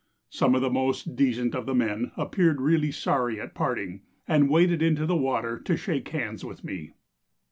Some of the most decent of the men appeared really sorry at parting, and waded into the water to shake hands with me.